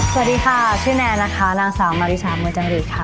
สวัสดีค่ะชื่อแนนนะคะนางสาวมาริชามือจังหรีดค่ะ